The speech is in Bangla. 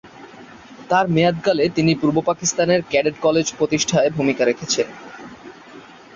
তার মেয়াদকালে তিনি পূর্ব পাকিস্তানে ক্যাডেট কলেজ প্রতিষ্ঠায় ভূমিকা রেখেছেন।